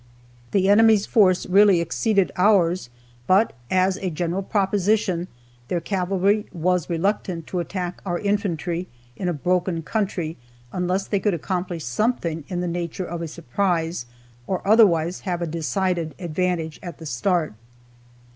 The enemy's force really exceeded ours, but, as a general proposition, their cavalry was reluctant to attack our infantry, in a broken country, unless they could accomplish something in the nature of a surprise, or otherwise have a decided advantage at the start.